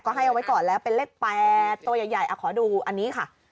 ก็ให้เอาไว้ก่อนแล้วเป็นเลข๘ตัวใหญ่ขอดูอันนี้ค่ะ